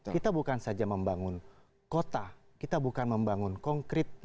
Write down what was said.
kita bukan saja membangun kota kita bukan membangun konkret